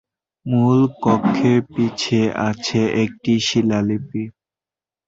মূল কক্ষের পিছে আছে একটি শিলালিপি।